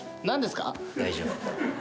何ですか？